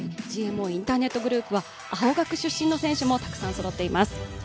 ＧＭＯインターネットグループは青学出身の選手もたくさんそろっています。